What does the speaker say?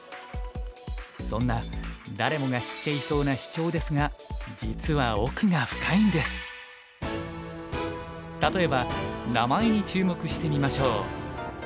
そんな誰もが知っていそうなシチョウですが実は例えば名前に注目してみましょう。